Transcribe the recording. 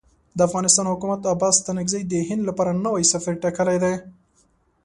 د افغانستان حکومت عباس ستانکزی د هند لپاره نوی سفیر ټاکلی دی.